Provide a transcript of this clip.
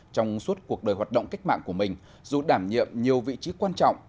trong suốt cuộc đời hoạt động cách mạng của mình dù đảm nhiệm nhiều vị trí quan trọng